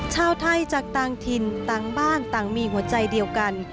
ชาวไทยจากต่างถิ่นต่างบ้านต่างมีหัวใจเดียวกัน